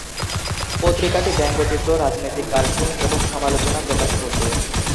পত্রিকাটি ব্যঙ্গচিত্র, রাজনৈতিক কার্টুন এবং সমালোচনা প্রকাশ করত।